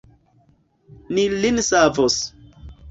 Ni lin savos.